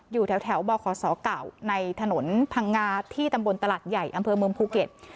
อยู่แถวบขศเก่าในถนนพังงาที่ตำบลตลาดใหญ่อำเภอเมืองภูเก็ต